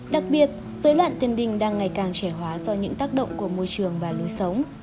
đặc biệt dối loạn tiền đình đang ngày càng trẻ hóa do những tác động của môi trường và lối sống